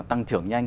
tăng trưởng nhanh